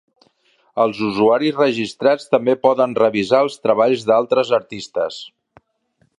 Els usuaris registrats també poden revisar els treballs d'altres artistes.